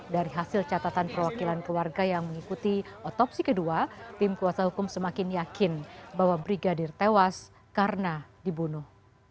dari hasil catatan perwakilan keluarga yang mengikuti otopsi kedua tim kuasa hukum semakin yakin bahwa brigadir tewas karena dibunuh